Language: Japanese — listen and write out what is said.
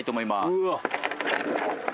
うわっ